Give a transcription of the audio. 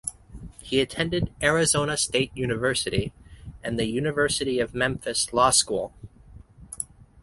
He attended Arizona State University and the University of Memphis Law School.